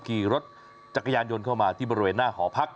ขี่รถจักรยานยนต์เข้ามาที่บริเวณหน้าหอพัก